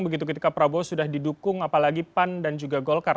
begitu ketika prabowo sudah didukung apalagi pan dan juga golkar